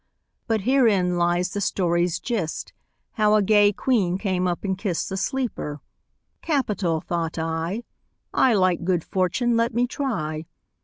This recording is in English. But herein lies the story's gist, How a gay queen came up and kist The sleeper. 'Capital!' thought I. 'A like good fortune let me try.'